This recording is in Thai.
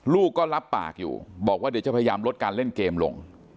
ลูกก็รับปากอยู่บอกว่าเดี๋ยวจะพยายามลดการเล่นเกมลง